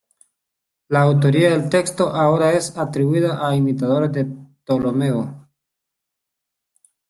La autoría del texto ahora es atribuida a imitadores de Ptolomeo.